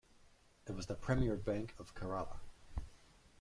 It was the premier bank of Kerala.